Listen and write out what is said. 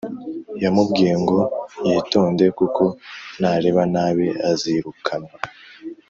yamubwiye ngo yitonde kuko nareba nabi azirukanwa